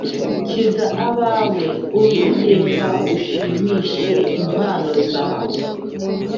Kiza abawe uwiteka ushimishe impano zawe